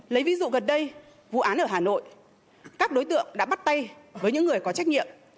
lấy ví dụ gần đây vụ án ở hà nội các đối tượng đã bắt tay với những người có trách nhiệm